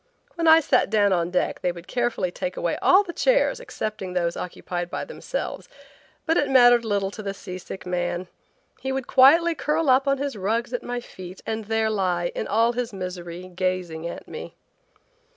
When I sat down on deck they would carefully take away all the chairs excepting those occupied by themselves, but it mattered little to the seasick man. He would quietly curl up on his rugs at my feet and there lie, in all his misery, gazing at me.